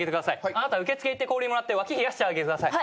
あなた受付行って氷もらって脇冷やしてあげてください。